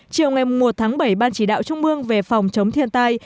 chiều ngày một tháng bảy ban chỉ đạo trung mương về phòng chống thiên tai